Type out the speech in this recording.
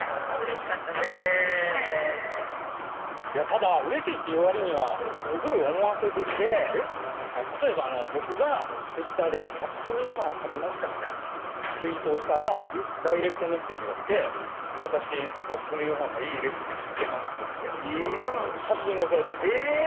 ただ「うれしい」って言うわりにはすごい思わせぶりで例えば僕がＴｗｉｔｔｅｒで「炊き込みごはんを食べました」みたいなツイートをしたらダイレクトメッセージが来て「私炊き込みごはんのいいレシピ知ってます」って言って写真が送られてきたんです